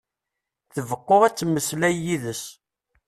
Tbeqqu ad temmeslay yid-s.